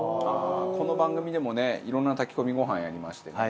この番組でもねいろんな炊き込みご飯やりましてね。